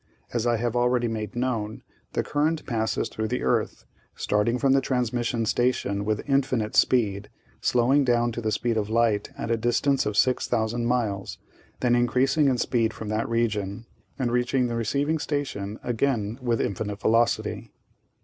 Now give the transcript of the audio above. As I have already made known, the current passes through the earth, starting from the transmission station with infinite speed, slowing down to the speed of light at a distance of 6,000 miles, then increasing in speed from that region and reaching the receiving station again with infinite velocity.